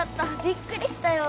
びっくりしたよ。